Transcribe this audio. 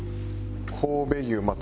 神戸牛まあ